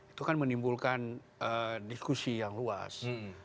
itu kan menimbulkan diskusi yang luas